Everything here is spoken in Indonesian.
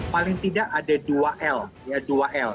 paling tidak ada dua l